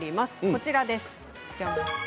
こちらです。